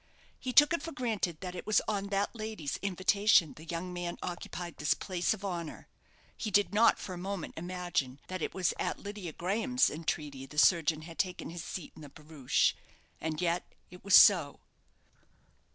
He took it for granted that it was on that lady's invitation the young man occupied this place of honour. He did not for a moment imagine that it was at Lydia Graham's entreaty the surgeon had taken his seat in the barouche. And yet it was so.